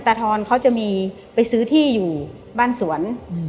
ตาทรเขาจะไปซื้อที่อยู่บ้านสวน